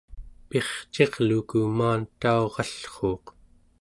pircirluku maantaurallruuq